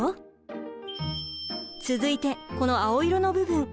続いてこの青色の部分。